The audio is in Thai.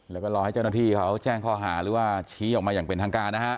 แล้วก็รอให้เจ้าหน้าที่เขาแจ้งข้อหาหรือว่าชี้ออกมาอย่างเป็นทางการนะฮะ